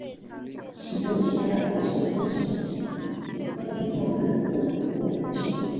十钱纸币是曾经流通的一种日本银行券。